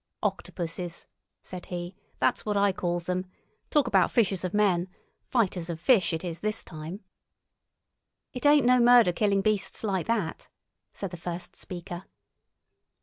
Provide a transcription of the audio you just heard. "Octopuses," said he, "that's what I calls 'em. Talk about fishers of men—fighters of fish it is this time!" "It ain't no murder killing beasts like that," said the first speaker.